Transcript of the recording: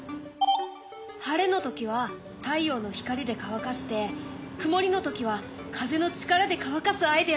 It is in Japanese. はれの時は太陽の光で乾かしてくもりの時は風の力で乾かすアイデアだね。